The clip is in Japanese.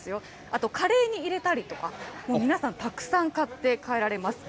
あと、カレーに入れたりとか、もう皆さん、たくさん買って帰られます。